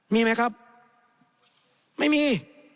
มีไหมครับไม่มี